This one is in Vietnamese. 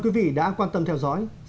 quý vị đã quan tâm theo dõi của daniel x